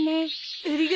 ありがとう。